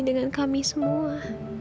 dengan kami semua